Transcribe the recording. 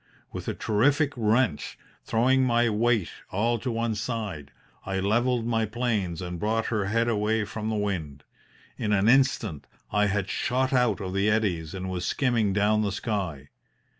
With a terrific wrench, throwing my weight all to one side, I levelled my planes and brought her head away from the wind. In an instant I had shot out of the eddies and was skimming down the sky.